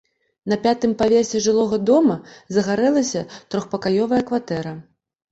На пятым паверсе жылога дома загарэлася трохпакаёвая кватэра.